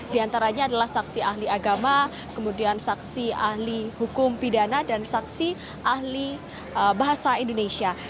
di antaranya adalah saksi ahli agama kemudian saksi ahli hukum pidana dan saksi ahli bahasa indonesia